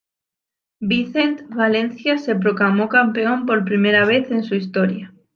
Vicent Valencia se proclamó campeón por primera vez en su historia.